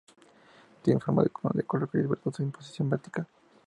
Tiene forma de columna de color gris-verdoso en posición vertical.